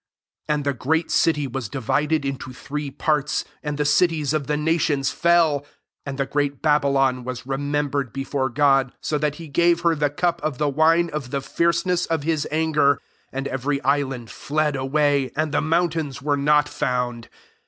19 And the great city was divided into three parts, and the cities of the nations fell : and the great Babylon was remembered before God, so that he gave her the cup of the wine of the fierceness of his anger. 20 And every island fled away ; and the mountains were not found.